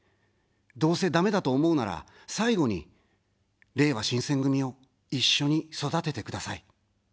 どうせダメだと思うなら、最後に、れいわ新選組を一緒に育ててください。